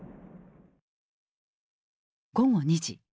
午後２時。